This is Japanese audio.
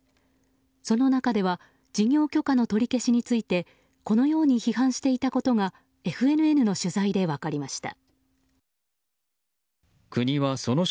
その中では事業許可の取り消しに対してこのように批判していたことがＦＮＮの取材で分かりました。